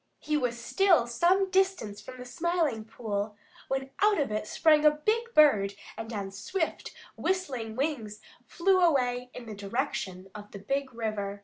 He was still some distance from the Smiling Pool when out of it sprang a big bird and on swift, whistling wings flew away in the direction of the Big River.